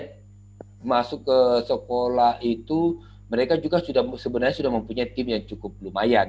hai masuk ke sekolah itu mereka juga sudah summon sebenarnya sudah mempunyai timnya cukup lumayan